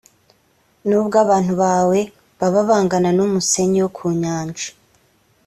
nubwo abantu bawe baba bangana n umusenyi wo ku nyanja